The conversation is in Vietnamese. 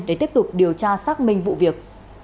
để tiếp tục điều tra xác minh vụ việc